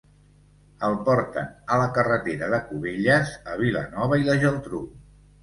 El porten a la carretera de Cubelles a Vilanova i la Geltrú.